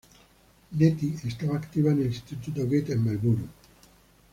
Nettie estaba activa en el Instituto Goethe en Melbourne.